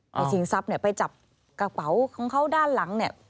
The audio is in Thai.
ชิงทรัพย์เนี่ยไปจับกระเป๋าของเขาด้านหลังเนี่ย